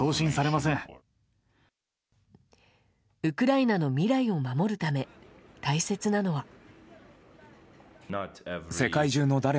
ウクライナの未来を守るため大切なのは。